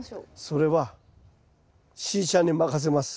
それはしーちゃんに任せます。